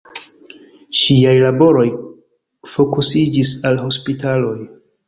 Ŝiaj laboroj fokusiĝis al hospitaloj.